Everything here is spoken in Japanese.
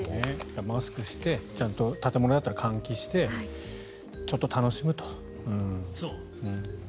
マスクしてちゃんと建物だったら換気して楽しむと。